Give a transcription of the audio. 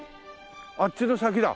あっちの先だ。